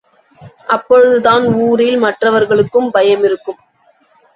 அப்பொழுதுதான் ஊரில் மற்றவர்களுக்கும் பயம் இருக்கும்.